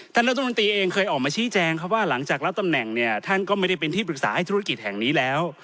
ท่านรัฐมนตรีเองเคยออกมาชี้แจงครับว่าหลังจากรับตำแหน่งเนี่ยท่านก็ไม่ได้เป็นที่ปรึกษาให้ธุรกิจแห่งนี้แล้ว